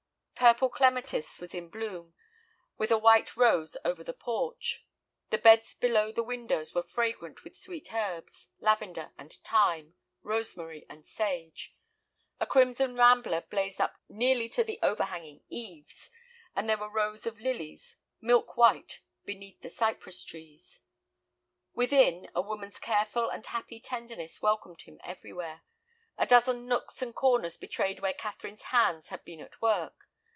Purple clematis was in bloom, with a white rose over the porch. The beds below the windows were fragrant with sweet herbs, lavender and thyme, rosemary and sage. A crimson rambler blazed up nearly to the overhanging eaves, and there were rows of lilies, milk white, beneath the cypress trees. Within, a woman's careful and happy tenderness welcomed him everywhere. A dozen nooks and corners betrayed where Catherine's hands had been at work.